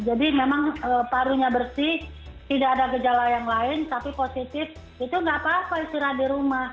jadi memang parunya bersih tidak ada gejala yang lain tapi positif itu nggak apa apa istirahat di rumah